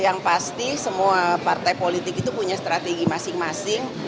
yang pasti semua partai politik itu punya strategi masing masing